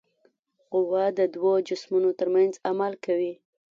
قوه د دوو جسمونو ترمنځ عمل کوي.